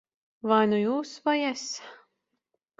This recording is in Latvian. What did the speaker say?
Vai nu jūs, vai es.